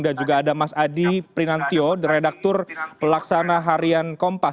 dan juga ada mas adi prinantio redaktur pelaksana harian kompas